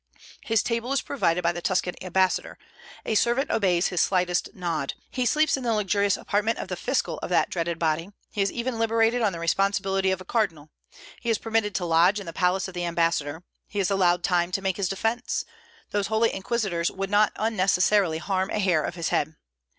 His table is provided by the Tuscan ambassador; a servant obeys his slightest nod; he sleeps in the luxurious apartment of the fiscal of that dreaded body; he is even liberated on the responsibility of a cardinal; he is permitted to lodge in the palace of the ambassador; he is allowed time to make his defence: those holy Inquisitors would not unnecessarily harm a hair of his head.